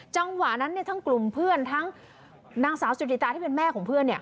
จังหวะนั้นทั้งกลุ่มเพื่อนทั้งนางสาวสุธิตาที่เป็นแม่ของเพื่อน